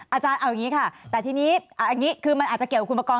อาจารย์เอาอย่างนี้ค่ะแต่ทีนี้อันนี้คือมันอาจจะเกี่ยวกับคุณประกอบ